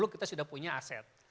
kita sudah punya aset